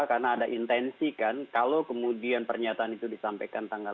karena ada intensi kan kalau kemudian pernyataan itu disampaikan tanggal delapan belas